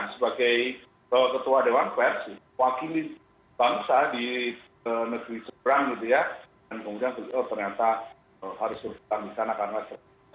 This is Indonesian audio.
sebagai ketua dewan pes mewakili bangsa di negeri seberang kemudian ternyata harus berputar di sana karena terlalu banyak